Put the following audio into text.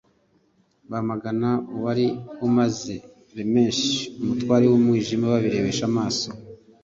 bamagana uwari umaze lamesha umutware w'umwijima babirebesha amaso,